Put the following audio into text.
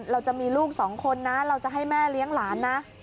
เราจะมีลูกสองคนนะเราจะให้แม่เลี้ยงหลานนะ